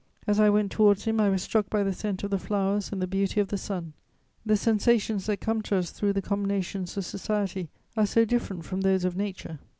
As I went towards him, I was struck by the scent of the flowers and the beauty of the sun. The sensations that come to us through the combinations of society are so different from those of nature!